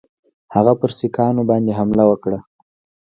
هغه پر سیکهانو باندي حمله وکړي.